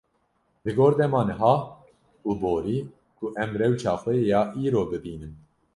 li gor dema niha û borî ku em rewşa xwe ya îro bibînin.